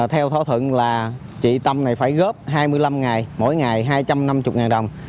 theo thỏa thuận là chị tâm này phải góp hai mươi năm ngày mỗi ngày hai trăm năm mươi ngàn đồng